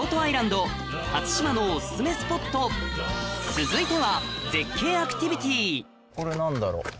続いては続いてはこれ何だろう？